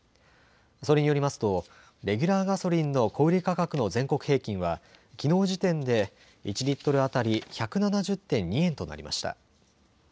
それによりますとレギュラーガソリンの小売価格の全国平均はきのう時点で１リットル当たり１７０．２円となりました。